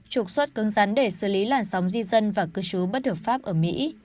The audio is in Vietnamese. trục xuất cưng rắn để xử lý làn sóng di dân và cư trú bất hợp pháp ở mỹ